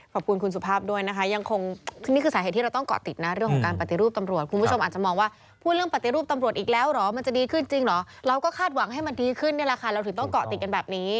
ขอบคุณคุณสุภาพด้วยนะคะยังคงนี่คือสาเหตุที่เราต้องเกาะติดนะเรื่องของการปฏิรูปตำรวจคุณผู้ชมอาจจะมองว่าพูดเรื่องปฏิรูปตำรวจอีกแล้วเหรอมันจะดีขึ้นจริงเหรอเราก็คาดหวังให้มันดีขึ้นนี่แหละค่ะเราถึงต้องเกาะติดกันแบบนี้